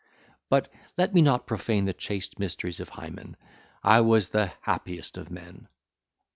But, let me not profane the chaste mysteries of Hymen. I was the happiest of men!